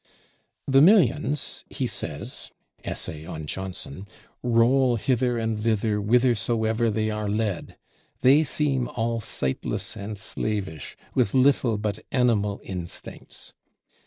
The millions, he says (essay on Johnson), "roll hither and thither, whithersoever they are led"; they seem "all sightless and slavish," with little but "animal instincts."